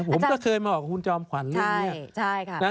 ผมก็เคยมาบอกกับคุณจอมขวัญเรื่องนี้